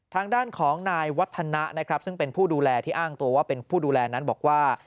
ทางด้านของนายวัฒนะนะครับซึ่งเป็นผู้ดูแลที่อ้างตัวว่าเป็นผู้ดูแลนั้นบอกว่า